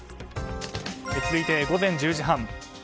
続いて午前１０時半